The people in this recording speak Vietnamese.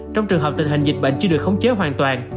trong trường hợp tình hình dịch bệnh chưa được khống chế hoàn toàn